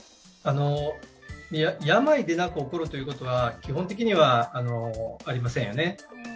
病でなく起こるということは基本的にはありませんよね。